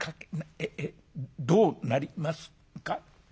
えっえっどうなりますか。